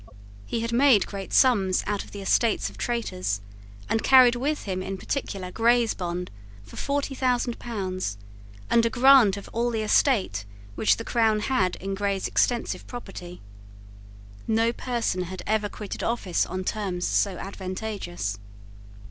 He had made great sums out of the estates of traitors, and carried with him in particular Grey's bond for forty thousand pounds, and a grant of all the estate which the crown had in Grey's extensive property. No person had ever quitted office on terms so advantageous.